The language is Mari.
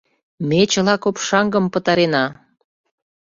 — Ме чыла копшаҥгым пытарена!